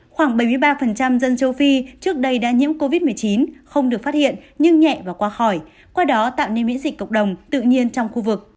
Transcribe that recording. khoảng bảy mươi ba dân châu phi trước đây đã nhiễm covid một mươi chín không được phát hiện nhưng nhẹ và qua khỏi qua đó tạo nên miễn dịch cộng đồng tự nhiên trong khu vực